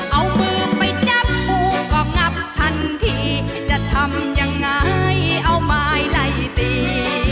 เอามือไปจับงูก็งับทันทีจะทำยังไงเอาไม้ไล่ตี